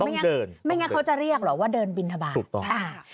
ต้องเดินไม่งั้นเขาจะเรียกหรือว่าเดินบิณฑบาถูกต้อง